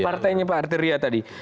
partainya pak artiria tadi